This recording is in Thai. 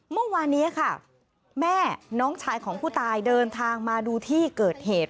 เมื่อวานนี้ค่ะแม่น้องชายของผู้ตายเดินทางมาดูที่เกิดเหตุ